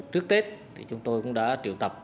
trước tết thì chúng tôi cũng đã triệu tập